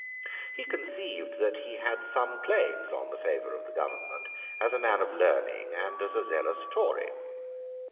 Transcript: He conceived that he had some claims on the favour of the government as a man of learning and as a zealous Tory.